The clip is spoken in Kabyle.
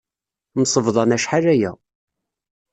Msebḍan acḥal aya.